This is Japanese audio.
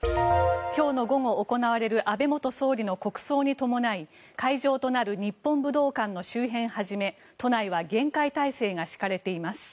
今日の午後行われる安倍元総理の国葬に伴い会場となる日本武道館の周辺はじめ都内は厳戒態勢が敷かれています。